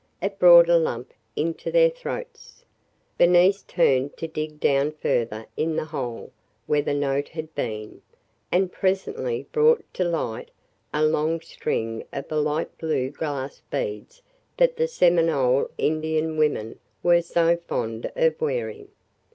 It brought a lump into their throats. Bernice turned to dig down further in the hole where the note had been and presently brought to light a long string of the light blue glass beads that the Seminole Indian women were so fond of wearing.